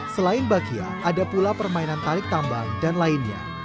selain bakia ada pula permainan tarik tambang dan lainnya